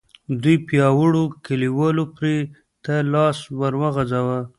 دوو پياوړو کليوالو پړي ته لاس ور وغځاوه.